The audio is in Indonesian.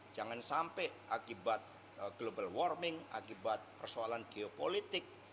jangan sampai akibat global warming akibat persoalan geopolitik